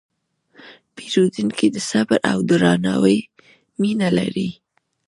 پیرودونکی د صبر او درناوي مینه لري.